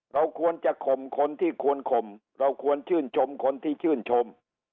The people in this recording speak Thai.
เราควรจะข่มคนที่ควรข่มเราควรชื่นชมคนที่ชื่นชม